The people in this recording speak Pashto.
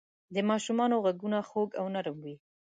د ماشومانو ږغونه خوږ او نرم وي.